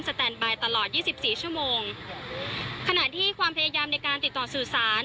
แตนบายตลอดยี่สิบสี่ชั่วโมงขณะที่ความพยายามในการติดต่อสื่อสาร